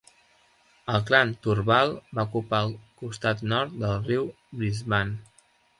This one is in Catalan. El clan Turrbal va ocupar el costat nord del riu Brisbane.